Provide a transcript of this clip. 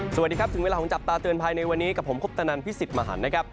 สวัสดีครับถึงเวลาของจับตาเตือนภัยในวันนี้กับผมคุปตนันพิสิทธิ์มหันนะครับ